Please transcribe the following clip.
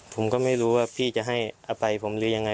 ผมก็ไม่รู้ว่าพี่จะให้อภัยผมหรือยังไง